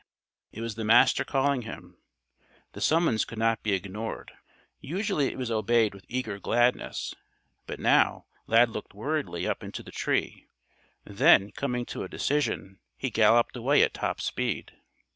_" It was the Master calling him. The summons could not be ignored. Usually it was obeyed with eager gladness, but now Lad looked worriedly up into the tree. Then, coming to a decision, he galloped away at top speed.